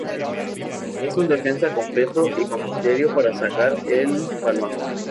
Es un defensa completo y con criterio para sacar el balón.